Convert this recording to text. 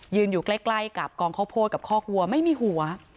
อยู่ใกล้กับกองข้าวโพดกับคอกวัวไม่มีหัว